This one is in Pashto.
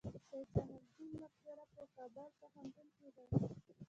سید جمال الدین مقبره په کابل پوهنتون کې ده؟